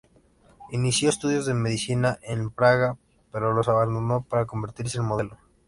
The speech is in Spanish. Inició estudios de medicina en Praga, pero los abandonó para convertirse en modelo.